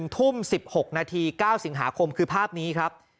ทุ่ม๑๖นาที๙สิงหาคมคือภาพนี้ครับ